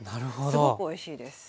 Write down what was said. すごくおいしいです。